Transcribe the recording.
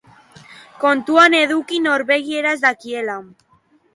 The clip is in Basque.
Kontuan eduki norvegieraz dakiela.